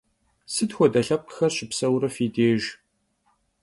Sıt xuede lhepkhxer şıpseure fi dêjj?